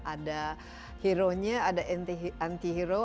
ada hero nya ada anti hero